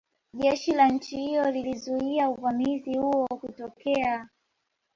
Jeshi la nchi hiyo lilizuia uvamizi huo kutokea